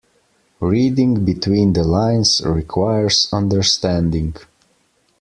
Reading between the lines requires understanding.